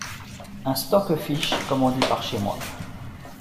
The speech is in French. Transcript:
Un stoquefiche, comme on dit par chez moi.